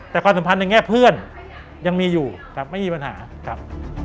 แต่ความสัมพันธ์ในแง่เพื่อนยังมีอยู่ครับไม่มีปัญหาครับ